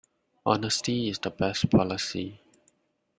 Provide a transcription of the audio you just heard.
Honesty is the best policy.